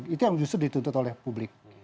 itu yang justru dituntut oleh publik